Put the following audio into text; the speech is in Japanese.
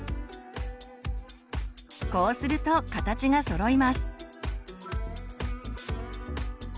こうすると形がそろいます。